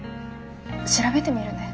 調べてみるね。